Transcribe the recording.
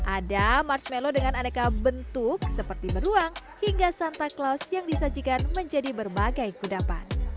ada marshmallow dengan aneka bentuk seperti beruang hingga santa claus yang disajikan menjadi berbagai kudapan